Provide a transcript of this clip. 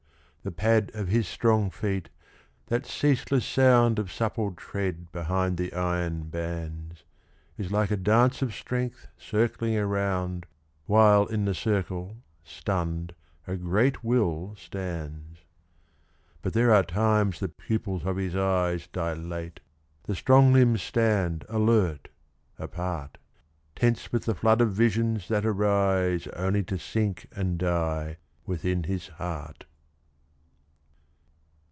The pad of his strong feet, that ceaseless sound Of supple tread behind the iron bands, Is like a dance of strength circling around, While in the circle, stunned, a great will stands. But there are times the pupils of his eyes Dilate, the strong limbs stand alert, apart, Tense with the flood of visions that arise Only to sink and die within his heart.